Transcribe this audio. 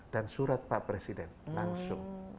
dan surat pak presiden langsung